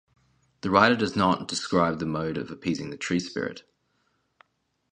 The writer does not describe the mode of appeasing the tree-spirit.